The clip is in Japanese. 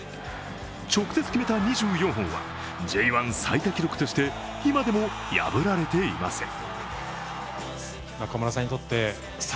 直接決めた２４本はＪ１最多記録として今でも破られていません。